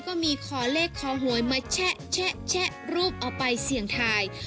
ก็มีขอเลขขอหวยมาแชะรูปเอาไปเสี่ยงทาย